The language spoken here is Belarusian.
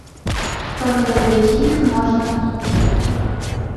Паглядзець іх можна тут.